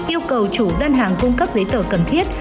yêu cầu chủ gian hàng cung cấp giấy tờ cần thiết